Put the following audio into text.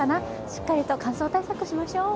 しっかりと、乾燥対策しましょう。